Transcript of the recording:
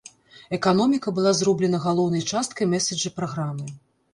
Эканоміка была зроблена галоўнай часткай мэсэджа праграмы.